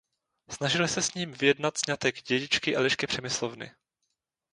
Snažili se s ním vyjednat sňatek dědičky Elišky Přemyslovny.